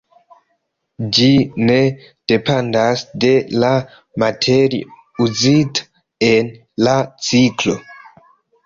Ĝi ne dependas de la materio uzita en la ciklo.